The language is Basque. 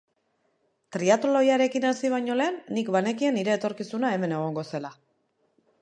Triatloiarekin hasi baino lehen, nik banekien nire etorkizuna hemen egongo zela.